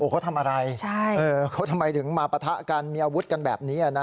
เขาทำอะไรเขาทำไมถึงมาปะทะกันมีอาวุธกันแบบนี้